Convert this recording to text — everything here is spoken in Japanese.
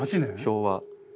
昭和。